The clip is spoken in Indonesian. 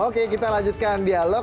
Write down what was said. oke kita lanjutkan dialog